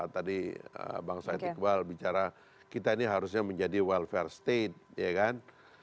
tadi bang said iqbal bicara kita ini harusnya menjadi welfare state ya kan